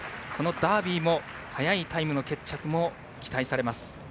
ダービーも早いタイムの決着も期待されます。